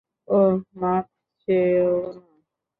ওহ, মাফ চেও না।